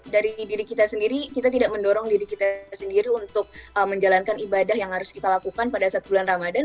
dari diri kita sendiri kita tidak mendorong diri kita sendiri untuk menjalankan ibadah yang harus kita lakukan pada saat bulan ramadan